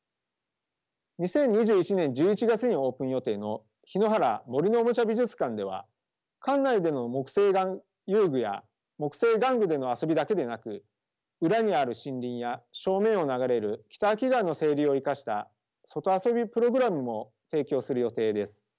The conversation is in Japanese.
２０２１年１１月にオープン予定の檜原森のおもちゃ美術館では館内での木製遊具や木製玩具での遊びだけではなく裏にある森林や正面を流れる北秋川の清流を生かした外遊びプログラムも提供する予定です。